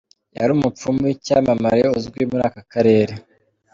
Yari umupfumu w’icyamamare uzwi muri aka karere.